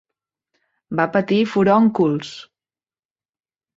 Va patir furóncols.